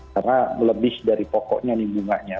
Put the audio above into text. karena melebih dari pokoknya nih bunganya